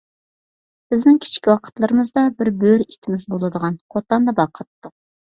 بىزنىڭ كىچىك ۋاقىتلىرىمىزدا بىر بۆرە ئىتىمىز بولىدىغان، قوتاندا باقاتتۇق.